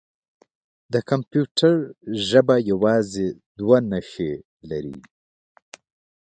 د کمپیوټر ژبه یوازې دوه نښې لري.